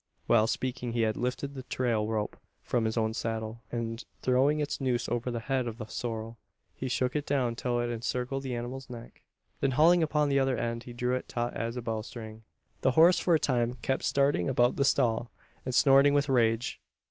While speaking he had lifted the trail rope from his own saddle; and, throwing its noose over the head of the sorrel, he shook it down till it encircled the animal's neck. Then hauling upon the other end, he drew it taut as a bowstring. The horse for a time kept starting about the stall, and snorting with rage.